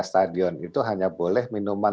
stadion itu hanya boleh minuman